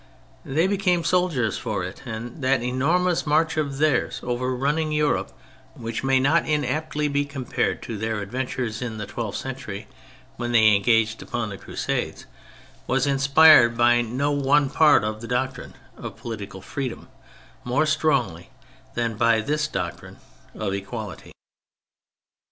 They became soldiers for it, and that enormous march of theirs, overrunning Europe, which may not inaptly be compared to their ad ventures in the twelfth century, when they engaged upon the Crusades, was inspired by no one part of the doctrine of political free dom more strongly than by this doctrine of equality.